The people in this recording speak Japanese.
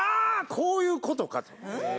こういうことか！と。